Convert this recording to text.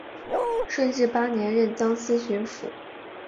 顺治八年任江西巡抚。